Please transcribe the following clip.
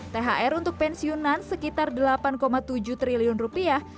thr untuk pensiunan sekitar delapan tujuh triliun rupiah